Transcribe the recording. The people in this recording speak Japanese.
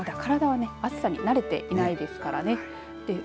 体は暑さに慣れていないですからね。